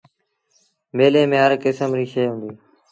ميلي ميݩ هر ڪسم ريٚ شئي هُݩديٚ۔